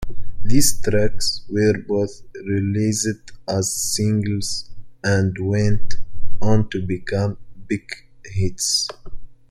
These tracks were both released as singles and went on to become big hits.